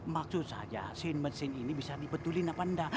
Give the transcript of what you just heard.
maksud saja sen mesin ini bisa dibetulin apa enggak